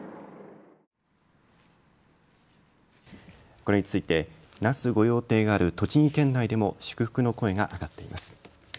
これについて那須御用邸がある栃木県内でも祝福の声が上がっています。